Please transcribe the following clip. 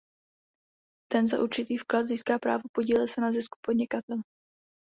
Ten za určitý vklad získá právo podílet se na zisku podnikatele.